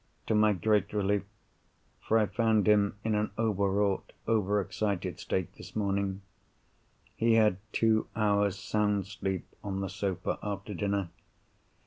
To my great relief—for I found him in an over wrought, over excited state this morning—he had two hours' sound sleep on the sofa after dinner.